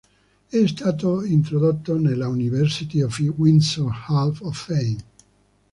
È stato introdotto nella "University of Windsor’s Hall of Fame".